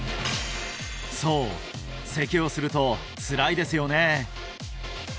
そうせきをするとつらいですよね